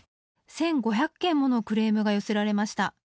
１５００件ものクレームが寄せられました。